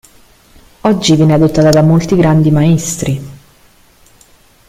Oggi viene adottata da molti grandi maestri.